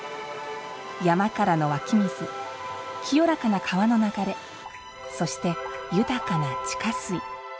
山からの湧き水清らかな川の流れそして豊かな地下水。